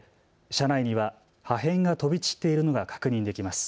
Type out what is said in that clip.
車内には破片が飛び散っているのが確認できます。